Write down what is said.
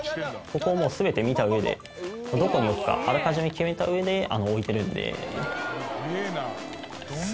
ここをもう全て見たうえでどこに置くかあらかじめ決めたうえで置いてるんで。